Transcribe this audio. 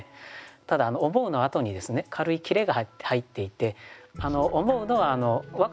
ただ「思ふ」のあとにですね軽い切れが入っていて思うのは若葉ではないんです。